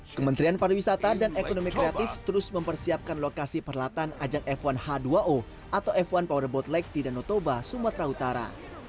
kementerian pariwisata dan ekonomi kreatif terus mempersiapkan lokasi perlatan ajang f satu h dua o atau f satu powerboat lake di danau toba sumatera utara